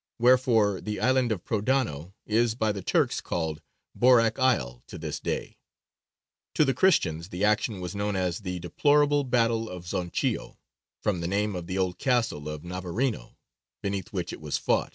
Wherefore the island of Prodano is by the Turks called Borāk Isle to this day. To the Christians the action was known as "the deplorable battle of Zonchio," from the name of the old castle of Navarino, beneath which it was fought.